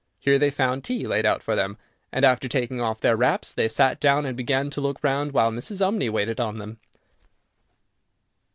Here they found tea laid out for them, and, after taking off their wraps, they sat down and began to look round, while Mrs. Umney waited on them.